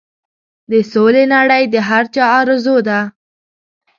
د سولې نړۍ د هر چا ارزو ده.